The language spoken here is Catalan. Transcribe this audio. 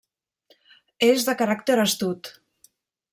És de caràcter astut.